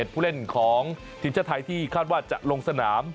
ผู้เล่นของทีมชาติไทยที่คาดว่าจะลงสนาม